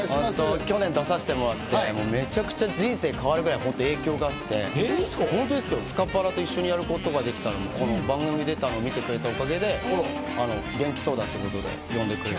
去年出させてもらって、人生変わるぐらい影響があって、スカパラと一緒にやることができたのもこの番組に出ているのを見てくれたおかげで元気そうだってことで呼んでくれて。